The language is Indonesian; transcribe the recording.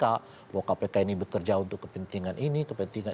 bahwa kpk ini bekerja untuk kepentingan ini kepentingan